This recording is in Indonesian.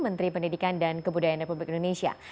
menteri pendidikan dan kebudayaan republik indonesia